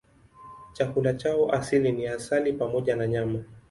Chakula chao asili ni asali pamoja na nyama.